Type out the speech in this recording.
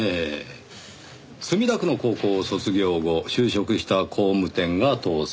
墨田区の高校を卒業後就職した工務店が倒産。